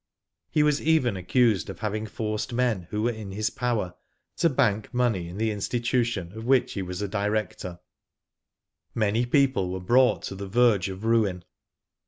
He was even accused of having forced men who were in his power to bank money in the institution of which he was a director. Many people were brought to the verge of ruin.